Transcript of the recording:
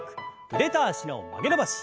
腕と脚の曲げ伸ばし。